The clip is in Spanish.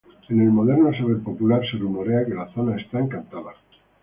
En el moderno saber popular, se rumorea que la zona está encantada.